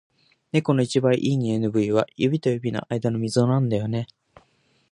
猫の一番いい匂いの部位は、指と指の間のみぞなんだよね。